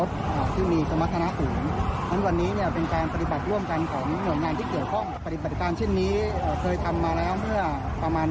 แต่ในช่วงประมาณ๓สัปดาห์ที่ผ่านมาอยู่แล้วพบว่าเริ่มกัดมีการมารวมตัวกัน